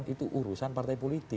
itu urusan partai politik